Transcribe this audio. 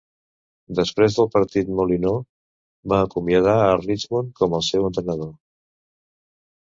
Després del partit, Molineaux va acomiadar a Richmond com al seu entrenador.